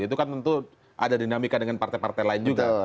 itu kan tentu ada dinamika dengan partai partai lain juga